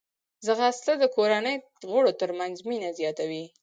ځغاسته د کورنۍ غړو ترمنځ مینه زیاتوي